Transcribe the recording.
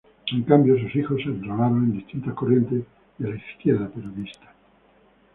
En cambio, sus hijos se enrolaron en distintas corrientes de la izquierda peronista.